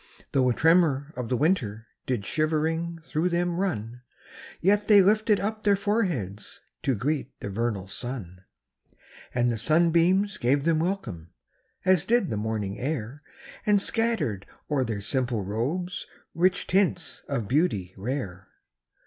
5 Though a tremor of the winter Did shivering through them run; Yet they lifted up their foreheads To greet the vernal sun. And the sunbeams gave them welcome. As did the morning air And scattered o'er their simple robes Rich tints of beauty rare.